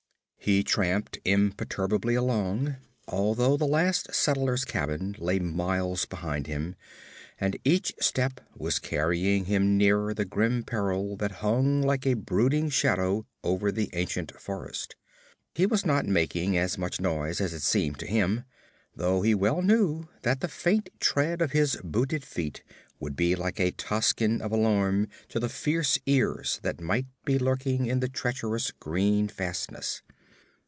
He tramped imperturbably along, although the last settler's cabin lay miles behind him, and each step was carrying him nearer the grim peril that hung like a brooding shadow over the ancient forest. He was not making as much noise as it seemed to him, though he well knew that the faint tread of his booted feet would be like a tocsin of alarm to the fierce ears that might be lurking in the treacherous green fastness.